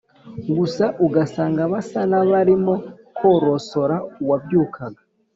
gusa ugasanga basa n’abarimo korosora uwabyukaga.